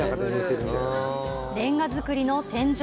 レンガ造りの天井。